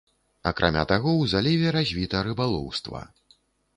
Акрамя таго ў заліве развіта рыбалоўства.